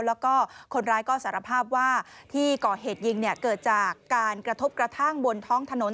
แล้วก็คนร้ายก็สารภาพว่าที่ก่อเหตุยิงเนี่ยเกิดจากการกระทบกระทั่งบนท้องถนน